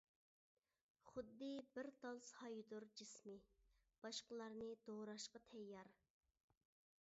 خۇددى بىر تال سايىدۇر جىسمى، باشقىلارنى دوراشقا تەييار.